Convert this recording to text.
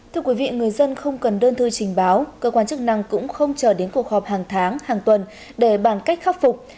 thưa quý vị người dân không cần đơn thư trình báo cơ quan chức năng cũng không chờ đến cuộc họp hàng tháng hàng tuần để bàn cách khắc phục